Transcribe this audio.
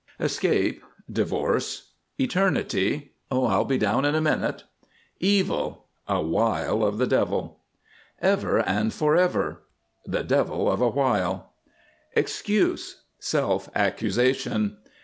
ESCAPE. Divorce. ETERNITY. "I'll be down in a minute." EVIL. A wile of the devil. "EVER AND FOR EVER." The devil of a while. EXCUSE. Self accusation.